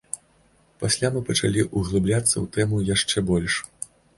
Пасля мы пачалі ўглыбляцца ў тэму яшчэ больш.